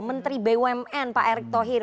menteri bumn pak erick thohir